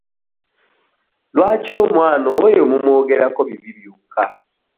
Lwaki omwana oyo mumwogerako bibi byokka?